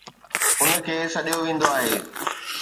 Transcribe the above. ان کي سڏيو ويندو آهي